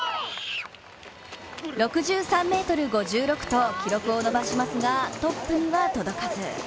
６３ｍ５６と記録を伸ばしますが、トップには届かず。